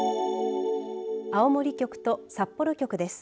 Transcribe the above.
青森局と札幌局です。